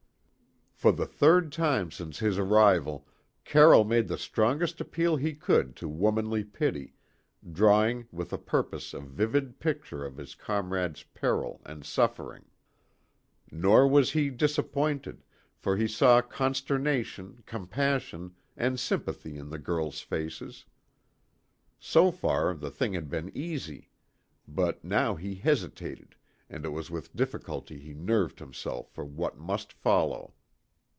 For the third time since his arrival, Carroll made the strongest appeal he could to womanly pity, drawing with a purpose a vivid picture of his comrade's peril and suffering. Nor was he disappointed, for he saw consternation, compassion, and sympathy in the girls' faces. So far, the thing had been easy, but now he hesitated, and it was with difficulty he nerved himself for what must follow.